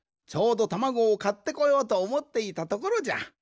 ちょうどたまごをかってこようとおもっていたところじゃ。